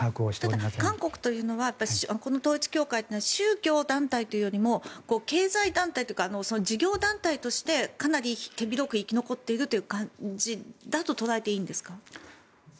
ただ韓国というのはこの統一教会は宗教団体というよりも経済団体というか事業団体として、かなり手広く生き残っているという感じだと捉えていいんですか？